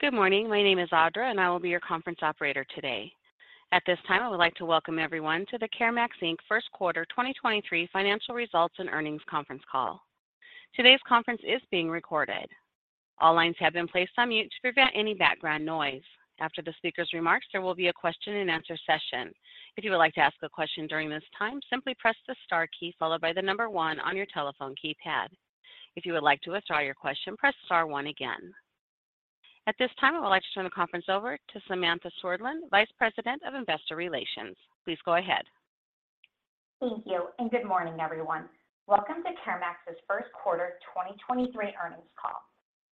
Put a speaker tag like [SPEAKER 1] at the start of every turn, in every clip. [SPEAKER 1] Good morning. My name is Audra, and I will be your conference operator today. At this time, I would like to welcome everyone to the CareMax, Inc. First Quarter 2023 Financial Results and Earnings Conference call. Today's conference is being recorded. All lines have been placed on mute to prevent any background noise. After the speaker's remarks, there will be a question and answer session. If you would like to ask a question during this time, simply press the star key followed by the number one on your telephone keypad. If you would like to withdraw your question, press star one again. At this time, I would like to turn the conference over to Samantha Swerdlin, Vice President of Investor Relations. Please go ahead.
[SPEAKER 2] Thank you. Good morning, everyone. Welcome to CareMax's First Quarter 2023 earnings call.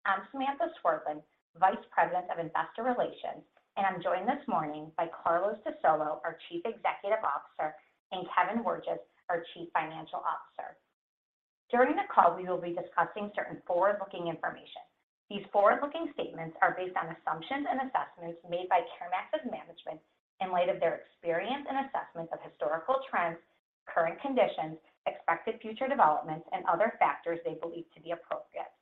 [SPEAKER 2] I'm Samantha Swerdlin, Vice President of Investor Relations, and I'm joined this morning by Carlos de Sola, our Chief Executive Officer, and Kevin Wirges, our Chief Financial Officer. During the call, we will be discussing certain forward-looking information. These forward-looking statements are based on assumptions and assessments made by CareMax's management in light of their experience and assessment of historical trends, current conditions, expected future developments and other factors they believe to be appropriate.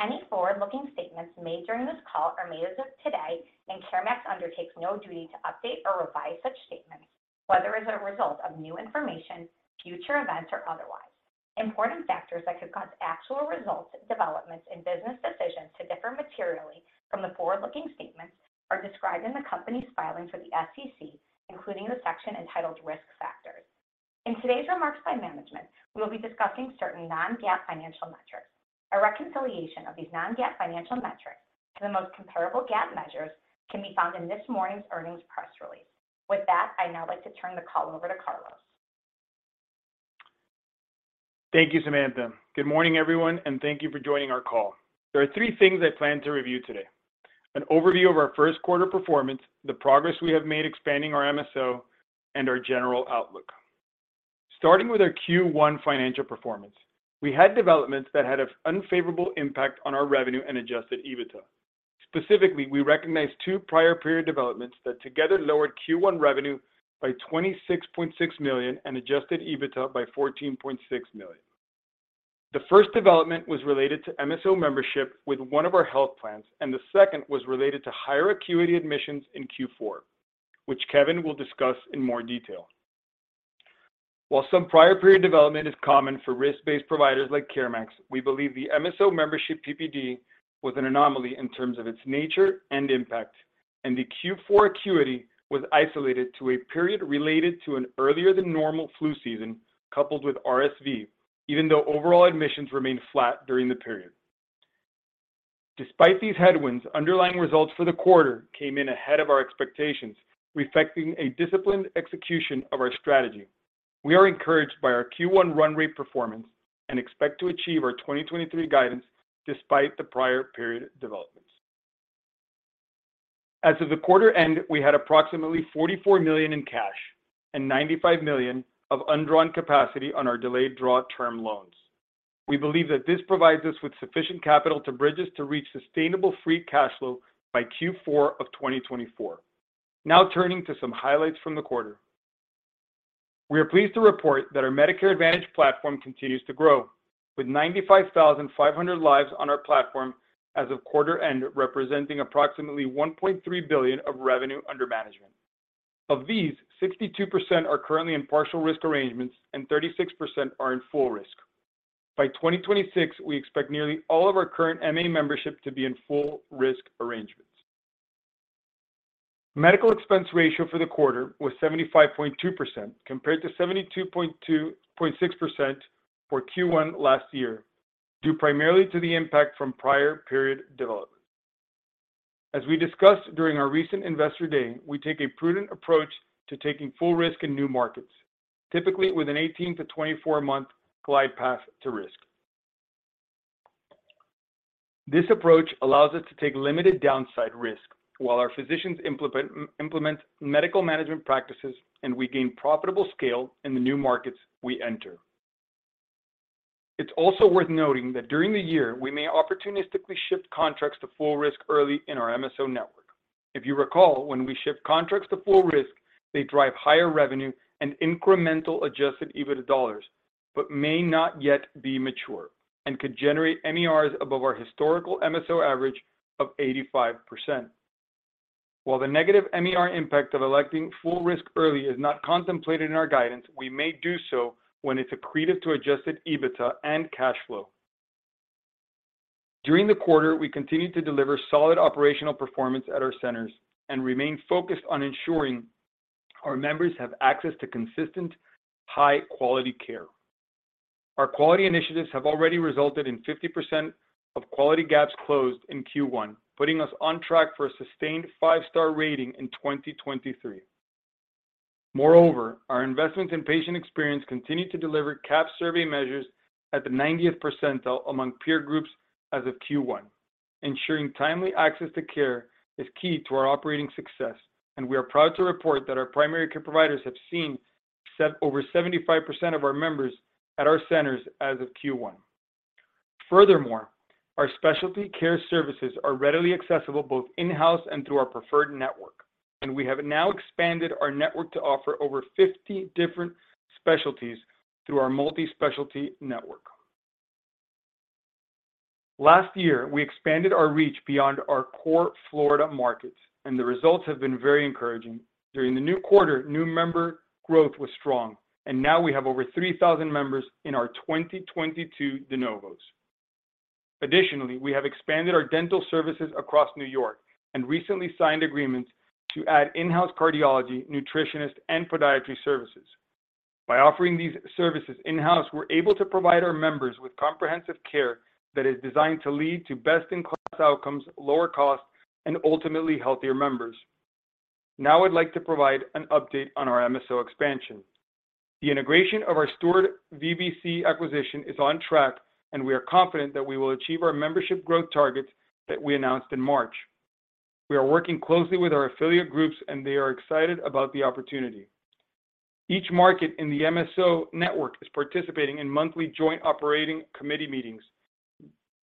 [SPEAKER 2] Any forward-looking statements made during this call are made as of today, and CareMax undertakes no duty to update or revise such statements, whether as a result of new information, future events, or otherwise. Important factors that could cause actual results, developments, and business decisions to differ materially from the forward-looking statements are described in the company's filings with the SEC, including the section entitled Risk Factors. In today's remarks by management, we will be discussing certain non-GAAP financial metrics. A reconciliation of these non-GAAP financial metrics to the most comparable GAAP measures can be found in this morning's earnings press release. I'd now like to turn the call over to Carlos.
[SPEAKER 3] Thank you, Samantha. Good morning, everyone, and thank you for joining our call. There are three things I plan to review today: an overview of our first quarter performance, the progress we have made expanding our MSO, and our general outlook. Starting with our Q1 financial performance. We had developments that had an unfavorabe impact on our revenue and adjusted EBITDA. Specifically, we recognized two prior period developments that together lowered Q1 revenue by $26.6 million and Adjusted EBITDA by $14.6 million. The first development was related to MSO membership with one of our health plans, and the second was related to higher acuity admissions in Q4, which Kevin will discuss in more detail. While some prior period development is common for risk-based providers like CareMax, we believe the MSO membership PPD was an anomaly in terms of its nature and impact, and the Q4 acuity was isolated to a period related to an earlier than normal flu season coupled with RSV, even though overall admissions remained flat during the period. Despite these headwinds, underlying results for the quarter came in ahead of our expectations, reflecting a disciplined execution of our strategy. We are encouraged by our Q1 run rate performance and expect to achieve our 2023 guidance despite the prior period developments. As of the quarter end, we had approximately $44 million in cash and $95 million of undrawn capacity on our delayed draw term loans. We believe that this provides us with sufficient capital to bridge us to reach sustainable free cash flow by Q4 of 2024. Turning to some highlights from the quarter. We are pleased to report that our Medicare Advantage platform continues to grow with 95,500 lives on our platform as of quarter end, representing approximately $1.3 billion of revenue under management. Of these, 62% are currently in partial risk arrangements and 36% are in full risk. By 2026, we expect nearly all of our current MA membership to be in full risk arrangements. Medical expense ratio for the quarter was 75.2% compared to 72.6% for Q1 last year, due primarily to the impact from prior period development. As we discussed during our recent Investor Day, we take a prudent approach to taking full risk in new markets, typically with an 18-24 month glide path to risk. This approach allows us to take limited downside risk while our physicians implement medical management practices, and we gain profitable scale in the new markets we enter. It's also worth noting that during the year, we may opportunistically shift contracts to full risk early in our MSO network. If you recall, when we shift contracts to full risk, they drive higher revenue and incremental adjusted EBITDA dollars, but may not yet be mature and could generate MERs above our historical MSO average of 85%. While the negative MER impact of electing full risk early is not contemplated in our guidance, we may do so when it's accretive to Adjusted EBITDA and cash flow. During the quarter, we continued to deliver solid operational performance at our centers and remain focused on ensuring our members have access to consistent, high-quality care. Our quality initiatives have already resulted in 50% of quality gaps closed in Q1, putting us on track for a sustained five-star rating in 2023. Our investments in patient experience continued to deliver CAHPS survey measures at the 90th percentile among peer groups as of Q1. Ensuring timely access to care is key to our operating success, we are proud to report that our primary care providers have set over 75% of our members at our centers as of Q1. Our specialty care services are readily accessible both in-house and through our preferred network, we have now expanded our network to offer over 50 different specialties through our multi-specialty network. Last year, we expanded our reach beyond our core Florida markets, the results have been very encouraging. During the new quarter, new member growth was strong, now we have over 3,000 members in our 2022 de novos. Additionally, we have expanded our dental services across New York and recently signed agreements to add in-house cardiology, nutritionist, and podiatry services. By offering these services in-house, we're able to provide our members with comprehensive care that is designed to lead to best-in-class outcomes, lower costs, and ultimately healthier members. Now I'd like to provide an update on our MSO expansion. The integration of our Steward VBC acquisition is on track, we are confident that we will achieve our membership growth targets that we announced in March. We are working closely with our affiliate groups, they are excited about the opportunity. Each market in the MSO network is participating in monthly joint operating committee meetings,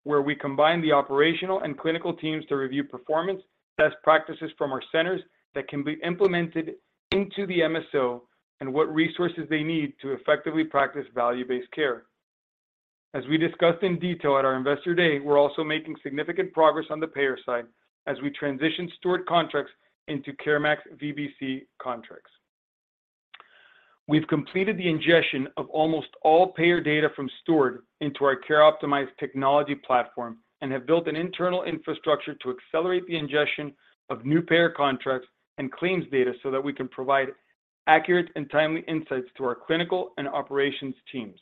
[SPEAKER 3] where we combine the operational and clinical teams to review performance, best practices from our centers that can be implemented into the MSO and what resources they need to effectively practice value-based care. As we discussed in detail at our Investor Day, we're also making significant progress on the payer side as we transition Steward contracts into CareMax VBC contracts. We've completed the ingestion of almost all payer data from Steward into our CareOptimize technology platform and have built an internal infrastructure to accelerate the ingestion of new payer contracts and claims data so that we can provide accurate and timely insights to our clinical and operations teams.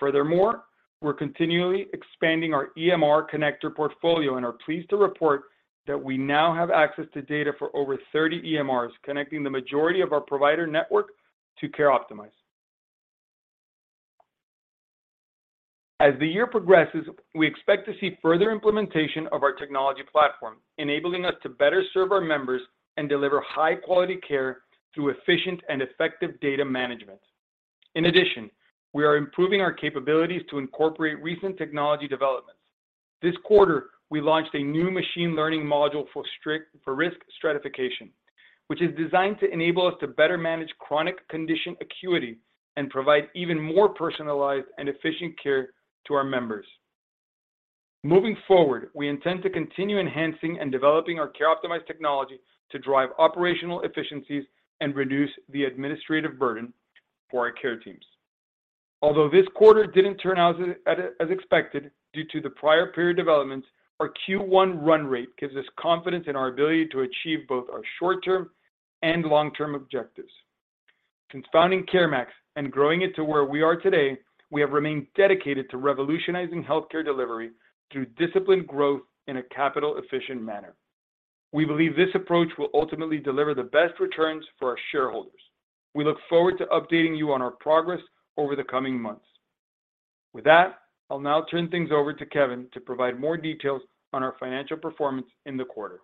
[SPEAKER 3] Furthermore, we're continually expanding our EMR connector portfolio and are pleased to report that we now have access to data for over 30 EMRs, connecting the majority of our provider network to Care Optimize. As the year progresses, we expect to see further implementation of our technology platform, enabling us to better serve our members and deliver high-quality care through efficient and effective data management. In addition, we are improving our capabilities to incorporate recent technology developments. This quarter, we launched a new machine learning module for risk stratification, which is designed to enable us to better manage chronic condition acuity and provide even more personalized and efficient care to our members. Moving forward, we intend to continue enhancing and developing our Care Optimized technology to drive operational efficiencies and reduce the administrative burden for our care teams. Although this quarter didn't turn out as expected due to the prior period developments, our Q1 run rate gives us confidence in our ability to achieve both our short-term and long-term objectives. Since founding CareMax and growing it to where we are today, we have remained dedicated to revolutionizing healthcare delivery through disciplined growth in a capital-efficient manner. We believe this approach will ultimately deliver the best returns for our shareholders. We look forward to updating you on our progress over the coming months. With that, I'll now turn things over to Kevin to provide more details on our financial performance in the quarter.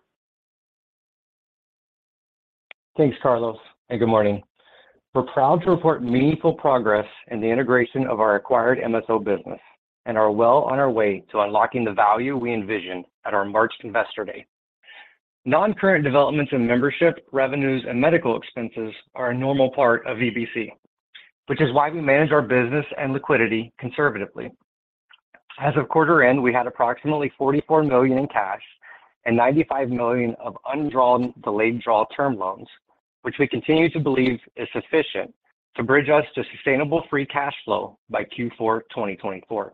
[SPEAKER 4] Thanks, Carlos. Good morning. We're proud to report meaningful progress in the integration of our acquired MSO business and are well on our way to unlocking the value we envisioned at our March Investor Day. Non-current developments in membership, revenues, and medical expenses are a normal part of VBC, which is why we manage our business and liquidity conservatively. As of quarter end, we had approximately $44 million in cash and $95 million of undrawn delayed draw term loans, which we continue to believe is sufficient to bridge us to sustainable free cash flow by Q4 2024.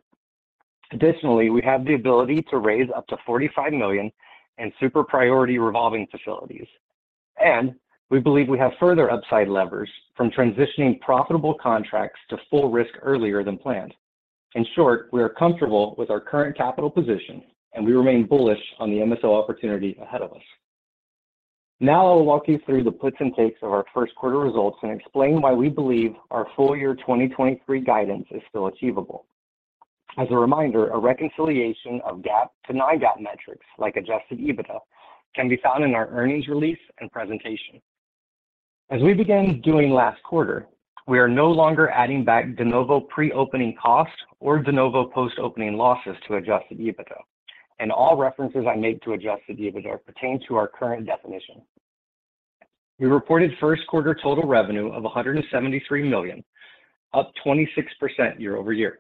[SPEAKER 4] Additionally, we have the ability to raise up to $45 million in super priority revolving facilities. We believe we have further upside levers from transitioning profitable contracts to full risk earlier than planned. In short, we are comfortable with our current capital position, and we remain bullish on the MSO opportunity ahead of us. Now I will walk you through the puts and takes of our first quarter results and explain why we believe our full year 2023 guidance is still achievable. As a reminder, a reconciliation of GAAP to non-GAAP metrics, like Adjusted EBITDA, can be found in our earnings release and presentation. As we began doing last quarter, we are no longer adding back de novo pre-opening costs or de novo post-opening losses to Adjusted EBITDA, and all references I make to adjusted EBITDA pertain to our current definition. We reported first quarter total revenue of $173 million, up 26% year-over-year.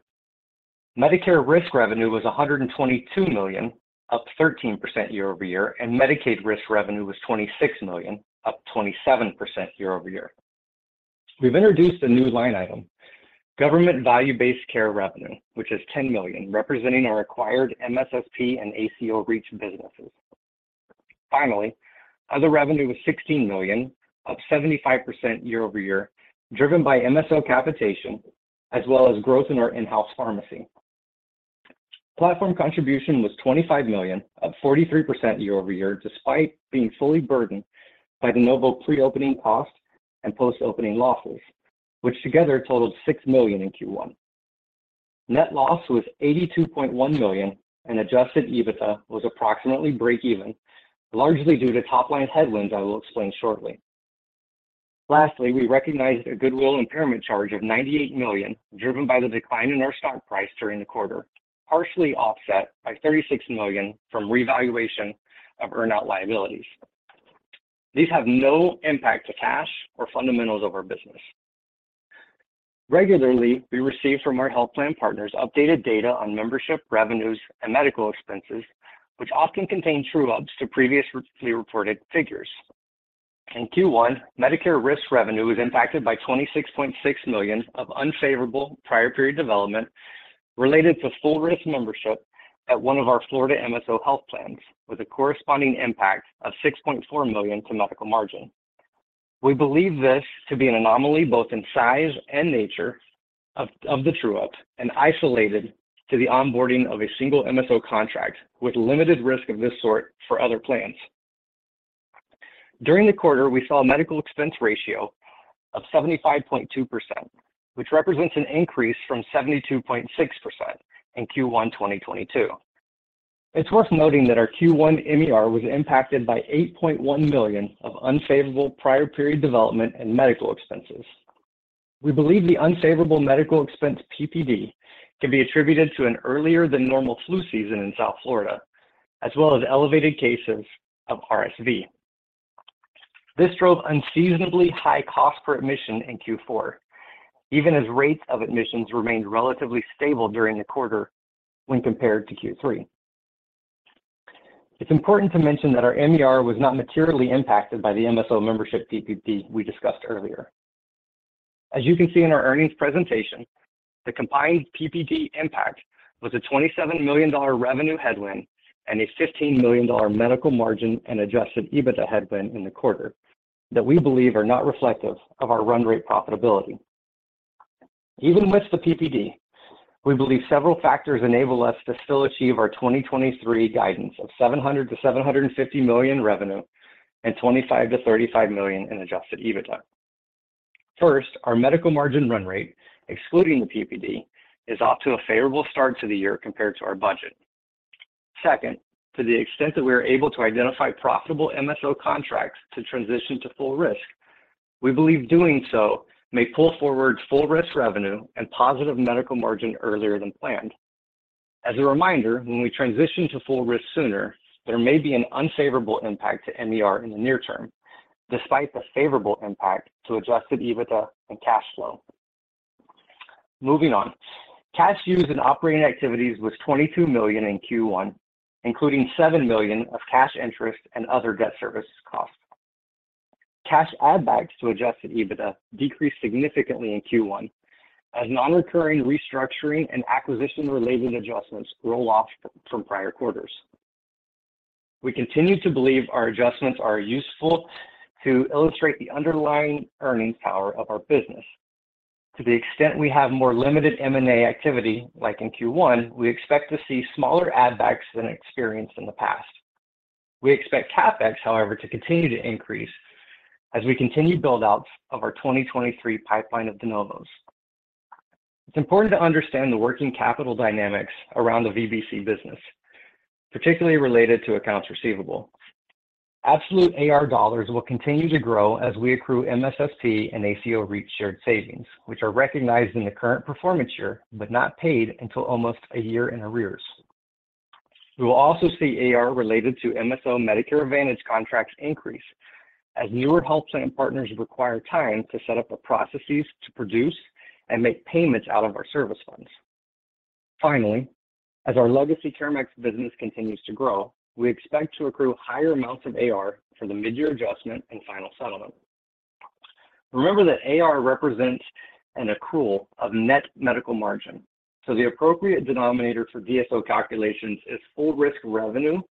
[SPEAKER 4] Medicare risk revenue was $122 million, up 13% year-over-year. Medicaid risk revenue was $26 million, up 27% year-over-year. We've introduced a new line item, government value-based care revenue, which is $10 million, representing our acquired MSSP and ACO REACH businesses. Other revenue was $16 million, up 75% year-over-year, driven by MSO capitation as well as growth in our in-house pharmacy. Platform Contribution was $25 million, up 43% year-over-year, despite being fully burdened by de novo pre-opening costs and post-opening losses, which together totaled $6 million in Q1. Net loss was $82.1 million. Adjusted EBITDA was approximately break even, largely due to top-line headwinds I will explain shortly. Lastly, we recognized a goodwill impairment charge of $98 million, driven by the decline in our stock price during the quarter, partially offset by $36 million from revaluation of earnout liabilities. These have no impact to cash or fundamentals of our business. Regularly, we receive from our health plan partners updated data on membership revenues and medical expenses, which often contain true-ups to previously reported figures. In Q1, Medicare risk revenue was impacted by $26.6 million of unfavorable prior period development related to full risk membership at one of our Florida MSO health plans, with a corresponding impact of $6.4 million to medical margin. We believe this to be an anomaly both in size and nature of the true-up, and isolated to the onboarding of a single MSO contract, with limited risk of this sort for other plans. During the quarter, we saw a medical expense ratio of 75.2%, which represents an increase from 72.6% in Q1 2022. It's worth noting that our Q1 MER was impacted by $8.1 million of unfavorable prior period development and medical expenses. We believe the unfavorable medical expense PPD can be attributed to an earlier than normal flu season in South Florida, as well as elevated cases of RSV. This drove unseasonably high cost per admission in Q4, even as rates of admissions remained relatively stable during the quarter when compared to Q3. It's important to mention that our MER was not materially impacted by the MSO membership PPD we discussed earlier. As you can see in our earnings presentation, the combined PPD impact was a $27 million revenue headwind and a $15 million medical margin and Adjusted EBITDA headwind in the quarter that we believe are not reflective of our run rate profitability. Even with the PPD, we believe several factors enable us to still achieve our 2023 guidance of $700 million-$750 million revenue and $25 million-$35 million in Adjusted EBITDA. First, our medical margin run rate, excluding the PPD, is off to a favorable start to the year compared to our budget. Second, to the extent that we are able to identify profitable MSO contracts to transition to full risk, we believe doing so may pull forward full risk revenue and positive medical margin earlier than planned. As a reminder, when we transition to full risk sooner, there may be an unfavorable impact to MER in the near term, despite the favorable impact to Adjusted EBITDA and cash flow. Moving on. Cash use in operating activities was $22 million in Q1, including $7 million of cash interest and other debt service costs. Cash add backs to Adjusted EBITDA decreased significantly in Q1 as non-recurring restructuring and acquisition-related adjustments roll off from prior quarters. We continue to believe our adjustments are useful to illustrate the underlying earnings power of our business. To the extent we have more limited M&A activity, like in Q1, we expect to see smaller add backs than experienced in the past. We expect CapEx, however, to continue to increase as we continue build-outs of our 2023 pipeline of de Novos. It's important to understand the working capital dynamics around the VBC business, particularly related to accounts receivable. Absolute AR dollars will continue to grow as we accrue MSSP and ACO REACH shared savings, which are recognized in the current performance year, but not paid until almost a year in arrears. We will also see AR related to MSO Medicare Advantage contracts increase as newer health plan partners require time to set up the processes to produce and make payments out of our service funds. Finally, as our legacy CareMax business continues to grow, we expect to accrue higher amounts of AR for the mid-year adjustment and final settlement. Remember that AR represents an accrual of net medical margin, so the appropriate denominator for DSO calculations is full risk revenue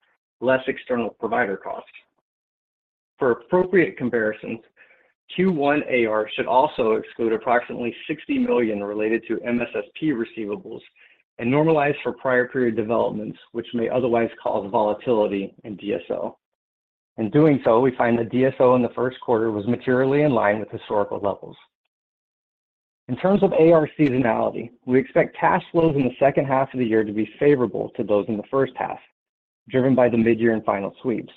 [SPEAKER 4] less external provider costs. For appropriate comparisons, Q1 AR should also exclude approximately $60 million related to MSSP receivables and normalize for prior period developments, which may otherwise cause volatility in DSO. In doing so, we find that DSO in the first quarter was materially in line with historical levels. In terms of AR seasonality, we expect cash flows in the second half of the year to be favorable to those in the first half, driven by the mid-year and final sweeps.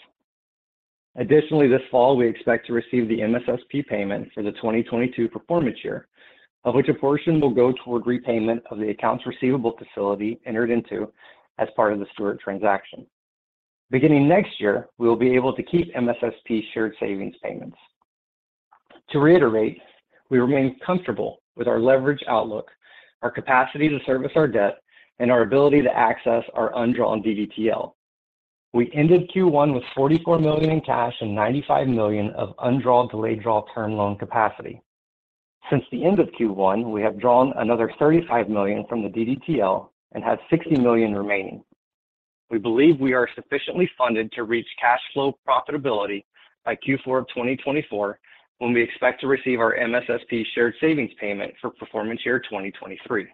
[SPEAKER 4] This fall, we expect to receive the MSSP payment for the 2022 performance year, of which a portion will go toward repayment of the accounts receivable facility entered into as part of the Steward transaction. Beginning next year, we will be able to keep MSSP shared savings payments. To reiterate, we remain comfortable with our leverage outlook, our capacity to service our debt, and our ability to access our undrawn DDTL. We ended Q1 with $44 million in cash and $95 million of undrawn delayed draw term loan capacity. Since the end of Q1, we have drawn another $35 million from the DDTL and have $60 million remaining. We believe we are sufficiently funded to reach cash flow profitability by Q4 of 2024, when we expect to receive our MSSP shared savings payment for performance year 2023.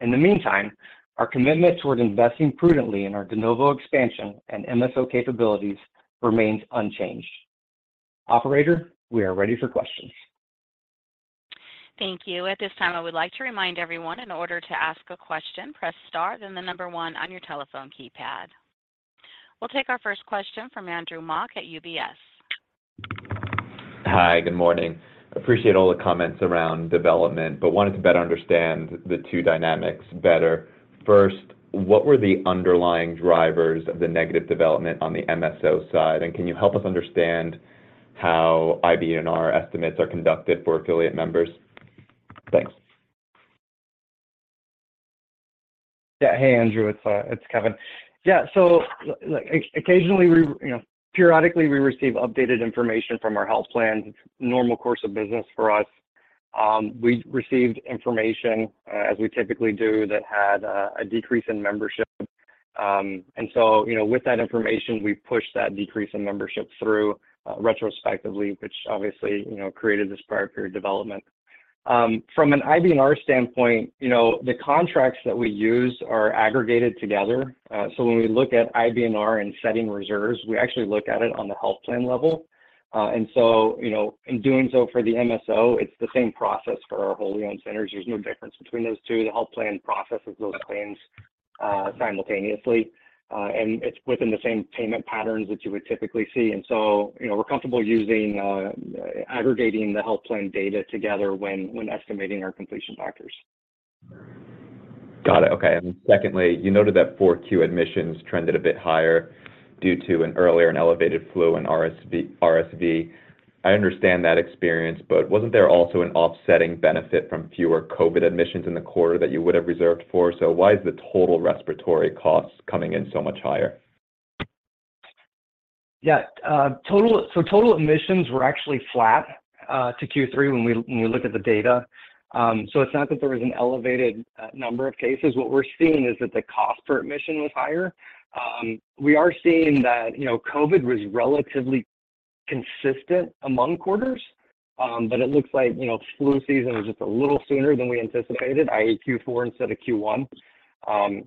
[SPEAKER 4] In the meantime, our commitment toward investing prudently in our de novo expansion and MSO capabilities remains unchanged. Operator, we are ready for questions.
[SPEAKER 1] Thank you. At this time, I would like to remind everyone in order to ask a question, press star then 1 on your telephone keypad. We'll take our first question from Andrew Mok at UBS.
[SPEAKER 5] Hi, good morning. Appreciate all the comments around development, but wanted to better understand the two dynamics better. First, what were the underlying drivers of the negative development on the MSO side? Can you help us understand how IBNR estimates are conducted for affiliate members? Thanks.
[SPEAKER 4] Hey, Andrew. It's Kevin. You know, periodically, we receive updated information from our health plans. We received information, as we typically do, that had a decrease in membership. You know, with that information, we pushed that decrease in membership through retrospectively, which obviously, you know, created this prior period development. From an IBNR standpoint, you know, the contracts that we use are aggregated together. When we look at IBNR and setting reserves, we actually look at it on the health plan level. You know, in doing so for the MSO, it's the same process for our wholly-owned centers. There's no difference between those two. The health plan processes those claims, simultaneously, and it's within the same payment patterns that you would typically see. You know, we're comfortable using, aggregating the health plan data together when estimating our completion factors.
[SPEAKER 5] Got it. Okay. Secondly, you noted that 4Q admissions trended a bit higher due to an earlier and elevated flu and RSV. I understand that experience, wasn't there also an offsetting benefit from fewer COVID admissions in the quarter that you would have reserved for? Why is the total respiratory costs coming in so much higher?
[SPEAKER 4] Yeah. Total admissions were actually flat to Q3 when we look at the data. It's not that there was an elevated number of cases. What we're seeing is that the cost per admission was higher. We are seeing that, you know, COVID was relatively consistent among quarters. It looks like, you know, flu season is just a little sooner than we anticipated, i.e., Q4 instead of Q1.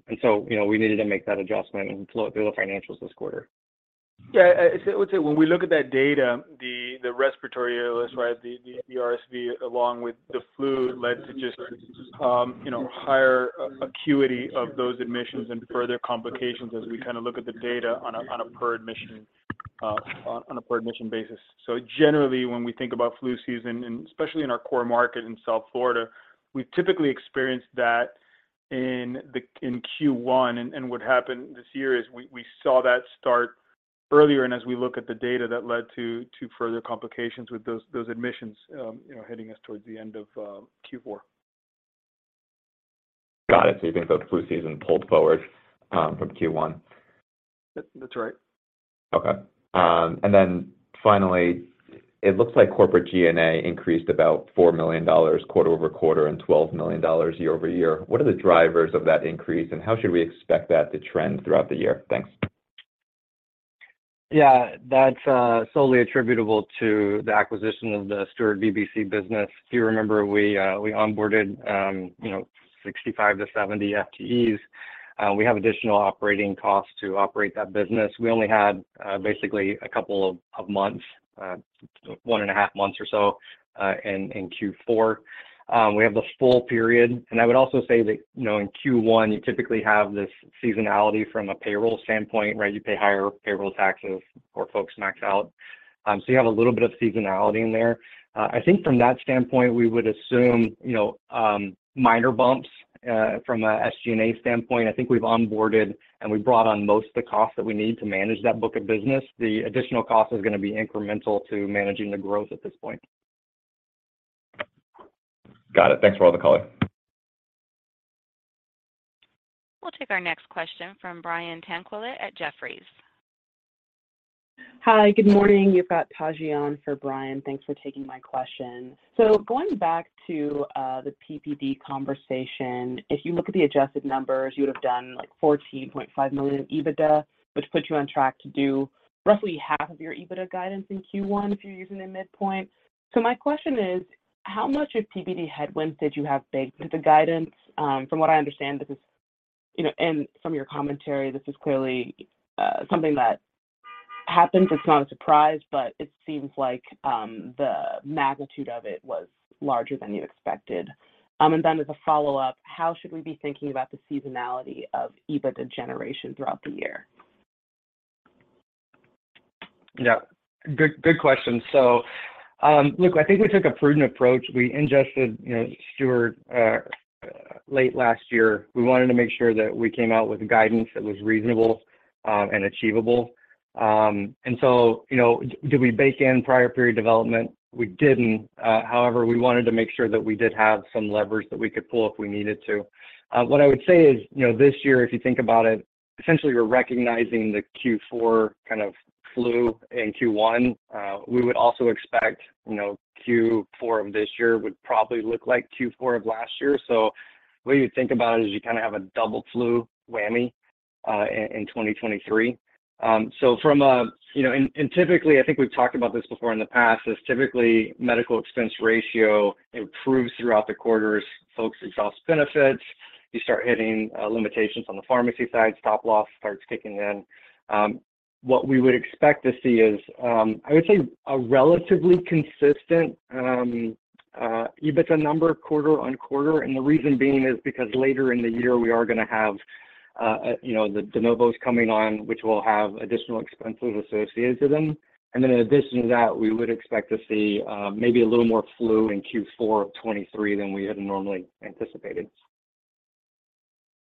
[SPEAKER 4] You know, we needed to make that adjustment in flow through the financials this quarter.
[SPEAKER 3] Yeah. I would say when we look at that data, the respiratory illness, right, the RSV along with the flu led to just, you know, higher acuity of those admissions and further complications as we kind of look at the data on a per admission basis. Generally, when we think about flu season, and especially in our core market in South Florida, we typically experience that in Q1. What happened this year is we saw that start earlier. As we look at the data that led to further complications with those admissions, you know, hitting us towards the end of Q4.
[SPEAKER 5] Got it. you think the flu season pulled forward, from Q1?
[SPEAKER 4] That's right.
[SPEAKER 5] Okay. Then finally, it looks like corporate G&A increased about $4 million quarter-over-quarter and $12 million year-over-year. What are the drivers of that increase, and how should we expect that to trend throughout the year? Thanks.
[SPEAKER 4] Yeah. That's solely attributable to the acquisition of the Steward VBC business. If you remember, we onboarded, you know, 65-70 FTEs. We have additional operating costs to operate that business. We only had basically a couple of months, one and a half months or so, in Q4. We have the full period. I would also say that, you know, in Q1, you typically have this seasonality from a payroll standpoint, right? You pay higher payroll taxes before folks max out. You have a little bit of seasonality in there. I think from that standpoint, we would assume, you know, minor bumps from a SG&A standpoint. I think we've onboarded, and we brought on most of the costs that we need to manage that book of business. The additional cost is gonna be incremental to managing the growth at this point.
[SPEAKER 5] Got it. Thanks for all the color.
[SPEAKER 1] We'll take our next question from Brian Tanquilut at Jefferies.
[SPEAKER 6] Hi, good morning. You've got Tajian for Brian. Thanks for taking my question. Going back to the PPD conversation, if you look at the adjusted numbers, you would have done like $14.5 million EBITDA, which puts you on track to do roughly half of your EBITDA guidance in Q1 if you're using the midpoint. My question is, how much of PPD headwinds did you have baked into guidance? From what I understand, this is, you know, and from your commentary, this is clearly something that happens. It's not a surprise, but it seems like the magnitude of it was larger than you expected. As a follow-up, how should we be thinking about the seasonality of EBITDA generation throughout the year?
[SPEAKER 4] Good, good question. Look, I think we took a prudent approach. We ingested, you know, Steward late last year. We wanted to make sure that we came out with guidance that was reasonable and achievable. You know, did we bake in prior period development? We didn't. However, we wanted to make sure that we did have some levers that we could pull if we needed to. What I would say is, you know, this year, if you think about it, essentially, we're recognizing the Q4 kind of flu in Q1. We would also expect, you know, Q4 of this year would probably look like Q4 of last year. The way you think about it is you kind of have a double flu whammy in 2023. From a, you know, and typically, I think we've talked about this before in the past, is typically medical expense ratio improves throughout the quarters. Folks exhaust benefits. You start hitting, limitations on the pharmacy side. stop loss starts kicking in. What we would expect to see is, I would say a relatively consistent, EBITDA number quarter on quarter. The reason being is because later in the year, we are gonna have, you know, the de Novos coming on, which will have additional expenses associated to them. In addition to that, we would expect to see, maybe a little more flu in Q4 of 2023 than we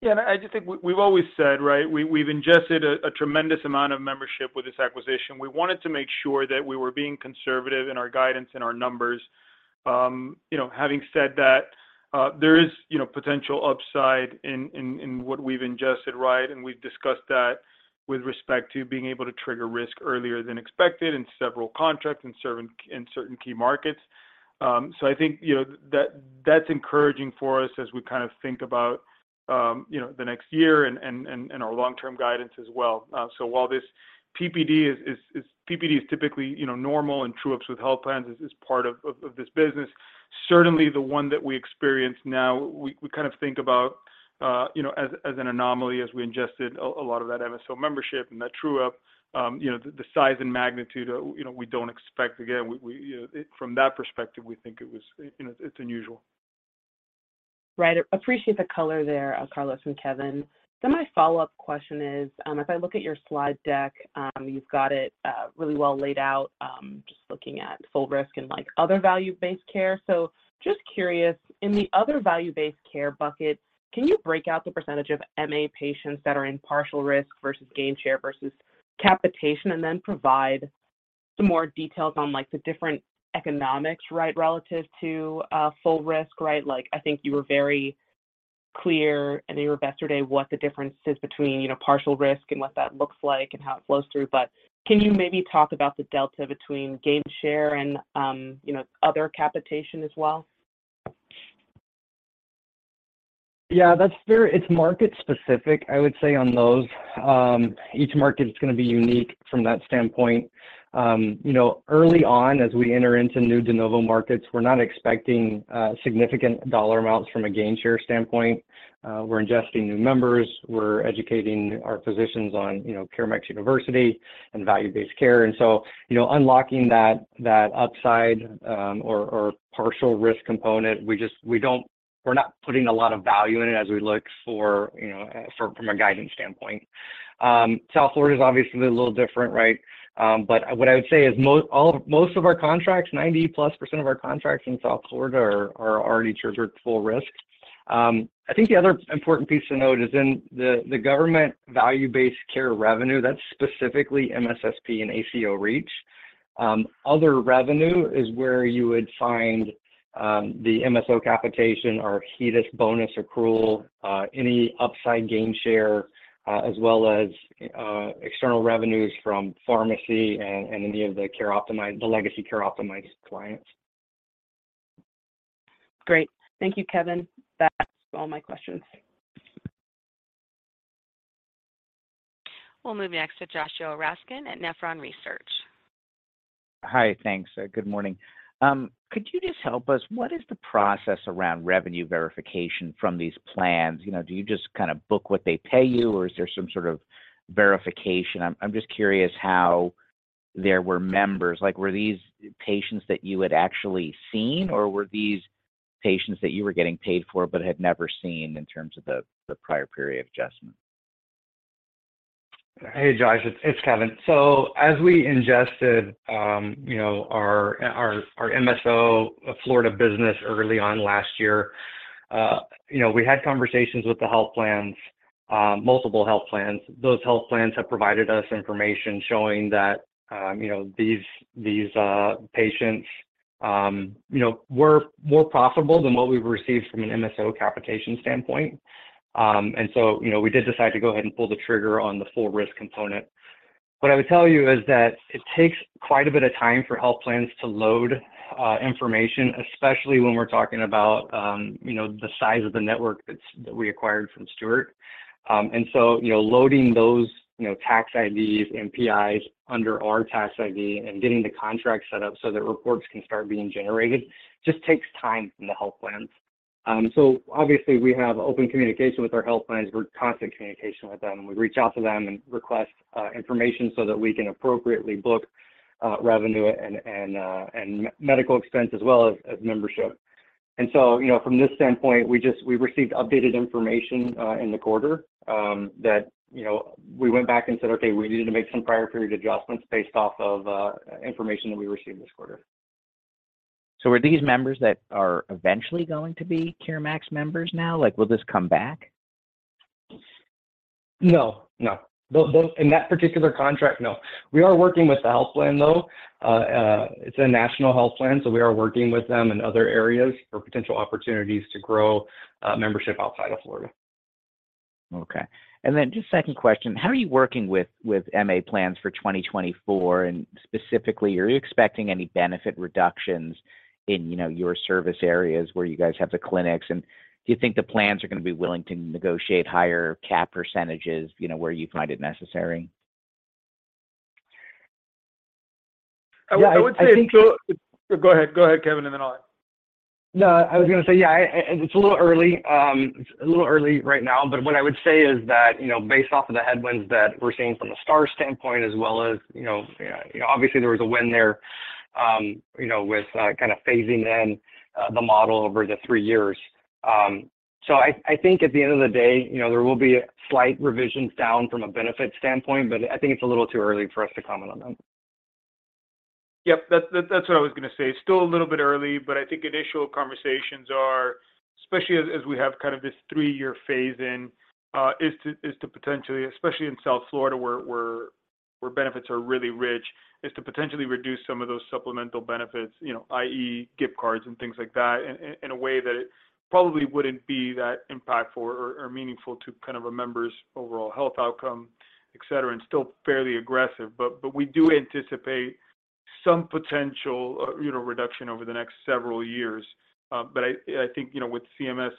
[SPEAKER 4] had normally anticipated.
[SPEAKER 3] I just think we've always said, right, we've ingested a tremendous amount of membership with this acquisition. We wanted to make sure that we were being conservative in our guidance and our numbers. You know, having said that, there is, you know, potential upside in what we've ingested, right? We've discussed that with respect to being able to trigger risk earlier than expected in several contracts in certain key markets. I think, you know, that's encouraging for us as we kind of think about, you know, the next year and our long-term guidance as well. While this PPD is typically, you know, normal and true-ups with health plans is part of this business. Certainly, the one that we experience now, we kind of think about, you know, as an anomaly as we ingested a lot of that MSO membership and that true-up, you know, the size and magnitude, you know, we don't expect again. We know, from that perspective, we think it was, you know, it's unusual.
[SPEAKER 6] Right. Appreciate the color there, Carlos and Kevin. My follow-up question is, if I look at your slide deck, you've got it really well laid out, just looking at full risk and, like, other value-based care. Just curious, in the other value-based care bucket, can you break out the % of MA patients that are in partial risk versus gain share versus capitation, and then provide some more details on, like, the different economics, right, relative to full risk, right? Like, I think you were very clear and you were yesterday what the difference is between, you know, partial risk and what that looks like and how it flows through. Can you maybe talk about the delta between gain share and, you know, other capitation as well?
[SPEAKER 4] That's very market specific, I would say, on those. Each market is gonna be unique from that standpoint. You know, early on as we enter into new de novo markets, we're not expecting significant dollar amounts from a gain share standpoint. We're ingesting new members. We're educating our physicians on, you know, CareMax University and value-based care. You know, unlocking that upside, or partial risk component, we're not putting a lot of value in it as we look for, you know, for from a guidance standpoint. South Florida is obviously a little different, right? What I would say is most of our contracts, 90%+ of our contracts in South Florida are already triggered full risk. I think the other important piece to note is in the government value-based care revenue, that's specifically MSSP and ACO REACH. Other revenue is where you would find the MSO capitation or HEDIS bonus accrual, any upside gain share, as well as external revenues from pharmacy and any of the legacy CareOptimize clients.
[SPEAKER 6] Great. Thank you, Kevin. That's all my questions.
[SPEAKER 1] We'll move next to Josh Raskin at Nephron Research.
[SPEAKER 7] Hi. Thanks. Good morning. Could you just help us, what is the process around revenue verification from these plans? You know, do you just kind of book what they pay you, or is there some sort of verification? I'm just curious how there were members. Like, were these patients that you had actually seen, or were these patients that you were getting paid for but had never seen in terms of the prior period adjustment?
[SPEAKER 4] Hey, Josh. It's Kevin. As we ingested, you know, our MSO Florida business early on last year, you know, we had conversations with the health plans, multiple health plans. Those health plans have provided us information showing that, you know, these patients, you know, were more profitable than what we've received from an MSO capitation standpoint. And so, you know, we did decide to go ahead and pull the trigger on the full risk component. What I would tell you is that it takes quite a bit of time for health plans to load information, especially when we're talking about, you know, the size of the network that we acquired from Steward. You know, loading those, you know, tax IDs and NPIs under our tax ID and getting the contract set up so that reports can start being generated just takes time from the health plans. Obviously we have open communication with our health plans. We're in constant communication with them, we reach out to them and request information so that we can appropriately book revenue and medical expense as well as membership. You know, from this standpoint, we received updated information in the quarter that, you know, we went back and said, okay, we needed to make some prior period adjustments based off of information that we received this quarter.
[SPEAKER 7] Are these members that are eventually going to be CareMax members now? Like, will this come back?
[SPEAKER 4] No, no. They'll In that particular contract, no. We are working with the health plan, though. It's a national health plan, so we are working with them in other areas for potential opportunities to grow membership outside of Florida.
[SPEAKER 7] Okay. Just second question, how are you working with MA plans for 2024? Specifically, are you expecting any benefit reductions in, you know, your service areas where you guys have the clinics? Do you think the plans are gonna be willing to negotiate higher cap percentage, you know, where you find it necessary?
[SPEAKER 3] I would say.
[SPEAKER 4] Yeah.
[SPEAKER 3] Go ahead. Go ahead, Kevin, and then I'll add.
[SPEAKER 4] I was going to say, yeah, it's a little early. It's a little early right now, but what I would say is that, you know, based off of the headwinds that we're seeing from the Star standpoint as well as, you know, obviously there was a win there, with kind of phasing in the model over the three years. I think at the end of the day, you know, there will be slight revisions down from a benefit standpoint, but I think it's a little too early for us to comment on them.
[SPEAKER 3] Yep. That's what I was gonna say. It's still a little bit early, but I think initial conversations are, especially as we have kind of this three-year phase in, is to potentially, especially in South Florida where benefits are really rich, is to potentially reduce some of those supplemental benefits, you know, i.e. gift cards and things like that in a way that it probably wouldn't be that impactful or meaningful to kind of a member's overall health outcome, et cetera, and still fairly aggressive. We do anticipate some potential, you know, reduction over the next several years. I think, you know, with CMS,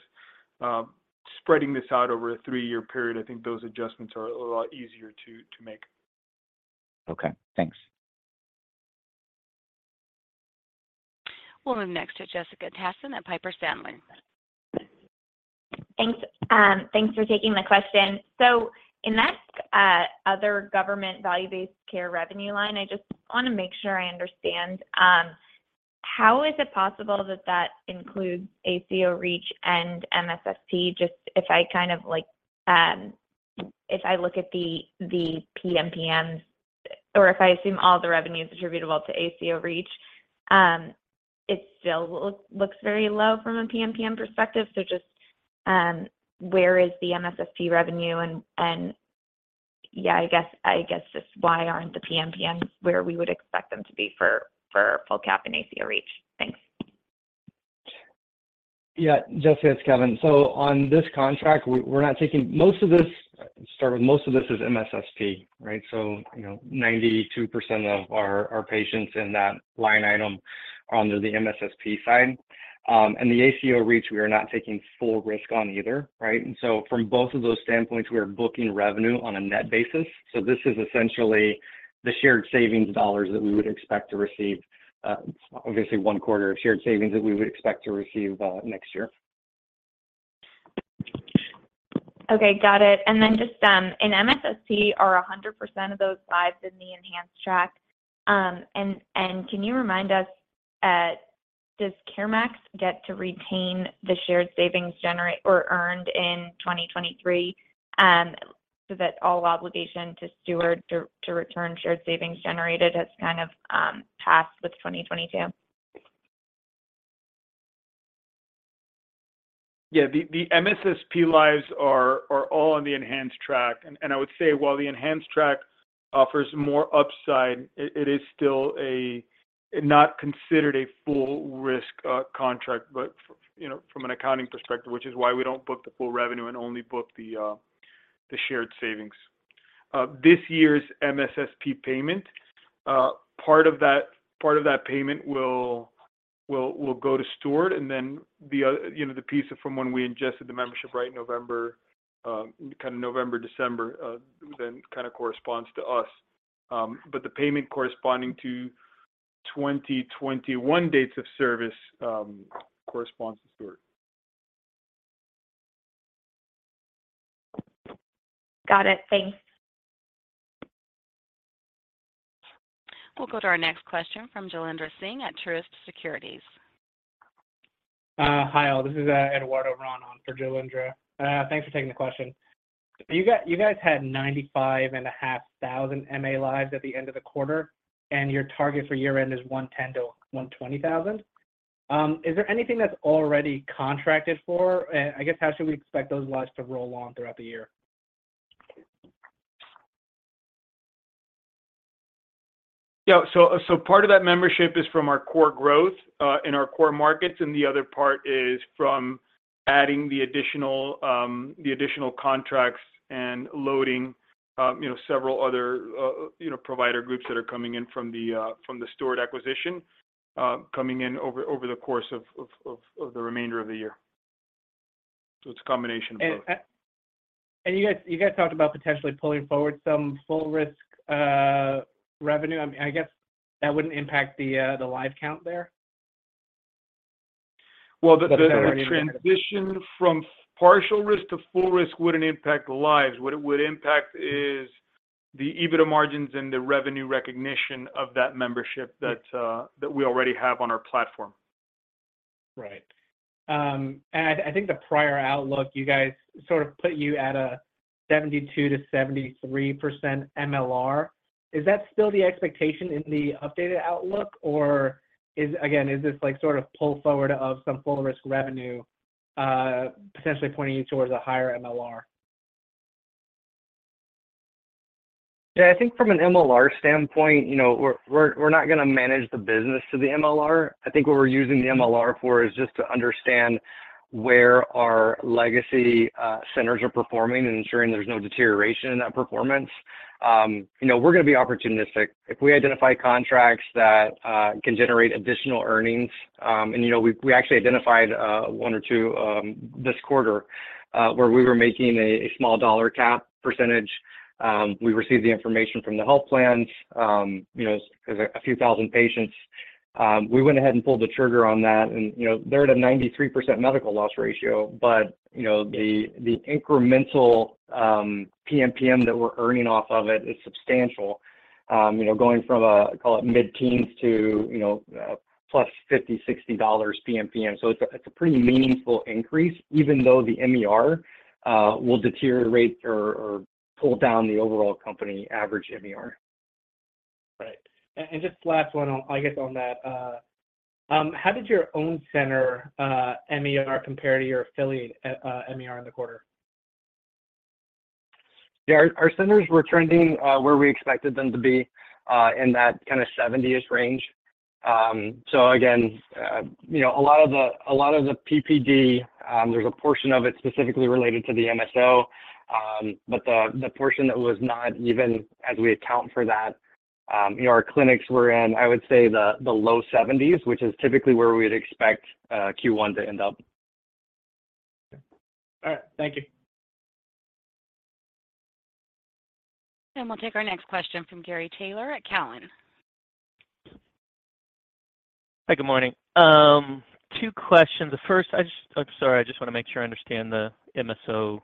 [SPEAKER 3] spreading this out over a three-year period, I think those adjustments are a lot easier to make.
[SPEAKER 4] Okay, thanks.
[SPEAKER 1] We'll move next to Jessica Tassin at Piper Sandler.
[SPEAKER 8] Thanks. Thanks for taking the question. In that other government value-based care revenue line, I just wanna make sure I understand. How is it possible that that includes ACO REACH and MSSP? Just if I kind of like, if I look at the PMPM, or if I assume all the revenue is attributable to ACO REACH, it still looks very low from a PMPM perspective. Just, where is the MSSP revenue and, yeah, I guess just why aren't the PMPMs where we would expect them to be for full cap and ACO REACH? Thanks.
[SPEAKER 4] Yeah. Jessica, it's Kevin. On this contract, let me start with most of this is MSSP, right? You know, 92% of our patients in that line item are under the MSSP side. The ACO REACH, we are not taking full risk on either, right? From both of those standpoints, we are booking revenue on a net basis. This is essentially the shared savings dollars that we would expect to receive, obviously one quarter of shared savings that we would expect to receive next year.
[SPEAKER 8] Okay. Got it. Just, in MSSP, are 100% of those lives in the enhanced track? Can you remind us, does CareMax get to retain the shared savings generate or earned in 2023, that all obligation to Steward to return shared savings generated has kind of passed with 2022?
[SPEAKER 3] The MSSP lives are all on the enhanced track. I would say while the enhanced track offers more upside, it is still not considered a full risk contract, but, you know, from an accounting perspective, which is why we don't book the full revenue and only book the shared savings. This year's MSSP payment, part of that payment will go to Steward, and then the other, you know, the piece from when we ingested the membership right November, kind of November, December, then kind of corresponds to us. But the payment corresponding to 2021 dates of service, corresponds to Steward.
[SPEAKER 8] Got it. Thanks.
[SPEAKER 1] We'll go to our next question from Jailendra Singh at Truist Securities.
[SPEAKER 9] Hi, all. This is Eduardo Ron for Jailendra. Thanks for taking the question. You guys had 95,500 MA lives at the end of the quarter, and your target for year end is 110,000-120,000. Is there anything that's already contracted for? I guess how should we expect those lives to roll on throughout the year?
[SPEAKER 3] Yeah. Part of that membership is from our core growth in our core markets, and the other part is from adding the additional, the additional contracts and loading, you know, several other, you know, provider groups that are coming in from the Steward acquisition, coming in over the course of the remainder of the year. It's a combination of both.
[SPEAKER 9] You guys talked about potentially pulling forward some full risk revenue. I mean, I guess that wouldn't impact the live count there?
[SPEAKER 3] Well, the...
[SPEAKER 9] That's what I'm wondering....
[SPEAKER 3] transition from partial risk to full risk wouldn't impact the lives. What it would impact is the EBITDA margins and the revenue recognition of that membership that we already have on our platform.
[SPEAKER 9] Right. I think the prior outlook, you guys sort of put you at a 72%-73% MLR. Is that still the expectation in the updated outlook, or is, again, is this like sort of pull forward of some full risk revenue, potentially pointing you towards a higher MLR?
[SPEAKER 4] Yeah. I think from an MLR standpoint, you know, we're not gonna manage the business to the MLR. I think what we're using the MLR for is just to understand where our legacy centers are performing and ensuring there's no deterioration in that performance. You know, we're gonna be opportunistic. If we identify contracts that can generate additional earnings, and, you know, we actually identified one or two this quarter where we were making a small dollar cap percentage. We received the information from the health plans. You know, it's a few thousand patients. We went ahead and pulled the trigger on that and, you know, they're at a 93% medical loss ratio, but, you know, the incremental PMPM that we're earning off of it is substantial. you know, going from a, call it mid-teens to, you know, +$50-$60 PMPM. It's a pretty meaningful increase even though the MER will deteriorate or pull down the overall company average MER.
[SPEAKER 9] Right. Just last one on, I guess, on that. How did your own center MLR compare to your affiliate MLR in the quarter?
[SPEAKER 4] Yeah. Our centers were trending where we expected them to be in that kind of 70th range. Again, you know, a lot of the PPD, there's a portion of it specifically related to the MSO. The portion that was not even as we account for that, you know, our clinics were in, I would say the low 70s, which is typically where we'd expect Q1 to end up.
[SPEAKER 9] All right. Thank you.
[SPEAKER 1] We'll take our next question from Gary Taylor at Cowen.
[SPEAKER 10] Hi. Good morning. Two questions. The first, I'm sorry, I just wanna make sure I understand the MSO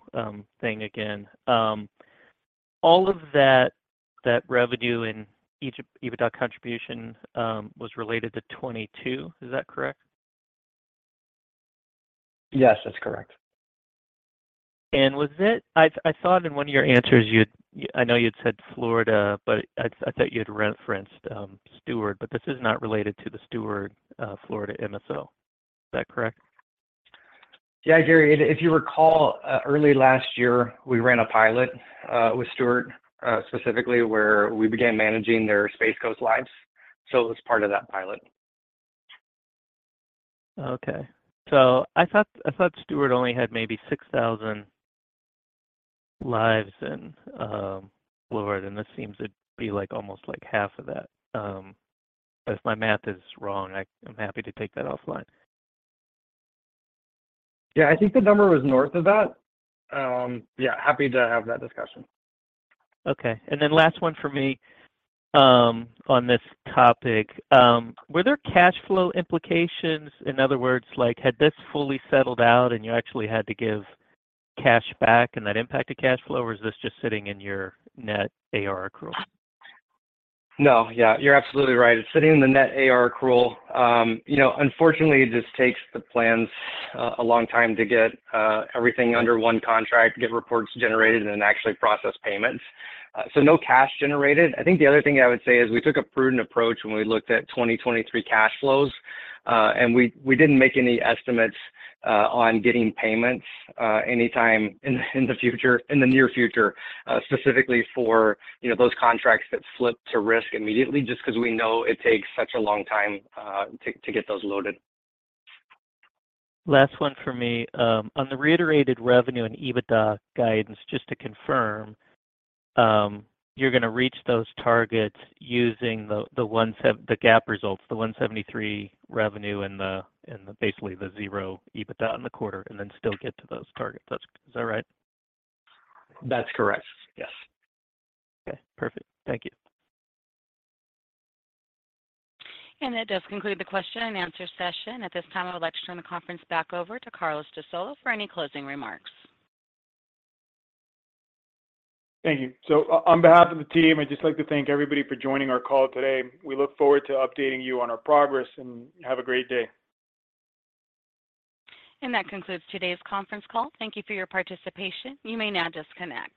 [SPEAKER 10] thing again. All of that revenue in each EBITDA contribution was related to 2022. Is that correct?
[SPEAKER 4] Yes, that's correct.
[SPEAKER 10] I saw it in one of your answers, I know you'd said Florida, but I thought you had referenced Steward, but this is not related to the Steward Florida MSO. Is that correct?
[SPEAKER 4] Yeah, Gary. If you recall, early last year, we ran a pilot with Steward, specifically where we began managing their Space Coast lives. It was part of that pilot.
[SPEAKER 10] I thought Steward only had maybe 6,000 lives in Florida. This seems to be like almost like half of that. If my math is wrong, I am happy to take that offline.
[SPEAKER 4] Yeah, I think the number was north of that. Yeah, happy to have that discussion.
[SPEAKER 10] Okay. Last one for me on this topic. Were there cash flow implications? In other words, like, had this fully settled out and you actually had to give cash back and that impacted cash flow, or is this just sitting in your net AR accrual?
[SPEAKER 4] No. Yeah, you're absolutely right. It's sitting in the net AR accrual. you know, unfortunately, it just takes the plans a long time to get everything under one contract, get reports generated, and then actually process payments. No cash generated. I think the other thing I would say is we took a prudent approach when we looked at 2023 cash flows. And we didn't make any estimates on getting payments anytime in the future, in the near future, specifically for, you know, those contracts that flip to risk immediately just 'cause we know it takes such a long time to get those loaded.
[SPEAKER 10] Last one for me. On the reiterated revenue and EBITDA guidance, just to confirm, you're gonna reach those targets using the GAAP results, the $173 revenue and the basically the $0 EBITDA in the quarter and then still get to those targets. Is that right?
[SPEAKER 4] That's correct. Yes.
[SPEAKER 10] Okay, perfect. Thank you.
[SPEAKER 1] That does conclude the question and answer session. At this time, I would like to turn the conference back over to Carlos de Solo for any closing remarks.
[SPEAKER 3] Thank you. On behalf of the team, I'd just like to thank everybody for joining our call today. We look forward to updating you on our progress, and have a great day.
[SPEAKER 1] That concludes today's conference call. Thank you for your participation. You may now disconnect.